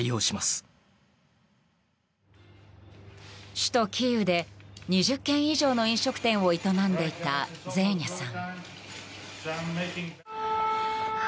首都キーウで２０軒以上の飲食店を営んでいたゼーニャさん。